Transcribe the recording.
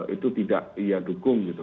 itu tidak ia dukung gitu